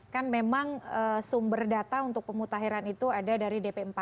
kan memang sumber data untuk pemutahiran itu ada dari dp empat